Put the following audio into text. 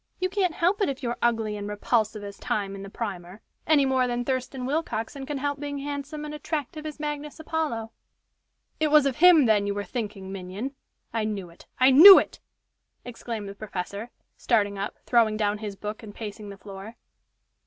You can't help it if you're ugly and repulsive as Time in the Primer, any more than Thurston Willcoxen can help being handsome and attractive as Magnus Apollo." "It was of him, then, you were thinking, minion? I knew it! I knew it!" exclaimed the professor, starting up, throwing down his book, and pacing the floor.